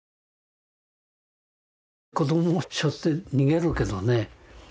子どもをしょって逃げるけどね